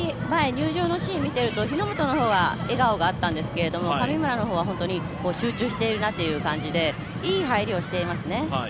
前、入場のシーンを見ていると日ノ本の方が笑顔があったんですけど神村の方は集中しているという感じでいい入りをしていますね。